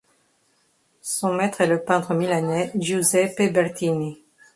Son maître est le peintre milanais Giuseppe Bertini.